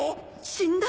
死んだ？